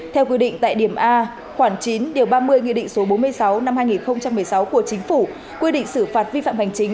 theo quy định tại điểm a khoảng chín điều ba mươi nghị định số bốn mươi sáu năm hai nghìn một mươi sáu của chính phủ quy định xử phạt vi phạm hành chính